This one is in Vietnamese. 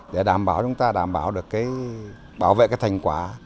để đảm bảo chúng ta đảm bảo được cái bảo vệ cái thành quả